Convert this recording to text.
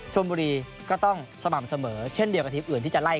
ชนบุรีก็ต้องสม่ำเสมอเช่นเดียวกับทีมอื่นที่จะไล่